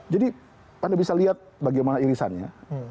jadi anda bisa lihat bagaimana irisannya